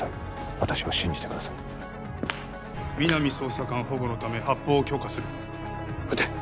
私を信じてください皆実捜査官保護のため発砲を許可する撃て！